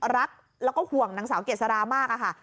รักแล้วก็ห่วงนางสาวเกษรามากอะค่ะ